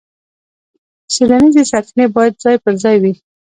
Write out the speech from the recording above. څېړنیزې سرچینې باید ځای پر ځای وای.